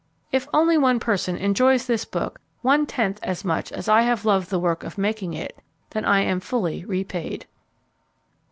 If only one person enjoys this book one tenth as much as I have loved the work of making it, then I am fully repaid.